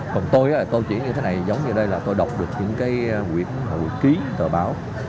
còn tôi tôi chỉ như thế này giống như đây là tôi đọc được những quyển hội ký tờ báo